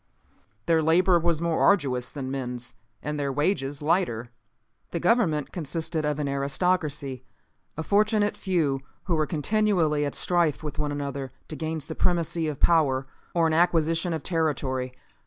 Their labor was more arduous than men's, and their wages lighter. "The government consisted of an aristocracy, a fortunate few, who were continually at strife with one another to gain supremacy of power, or an acquisition of territory.